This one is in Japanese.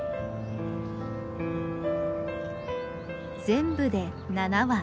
全部で７羽。